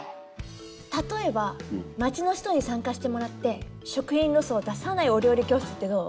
例えば町の人に参加してもらって食品ロスを出さないお料理教室ってどう？